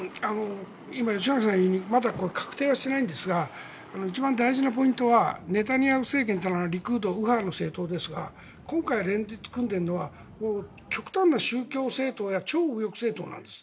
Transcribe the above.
今、吉永さんが言うようにまだ確定していないんですが一番大事なポイントはネタニヤフ政権からのリクード、右派の政権ですが今回連立組んでるのは極端な超右派政党なんです。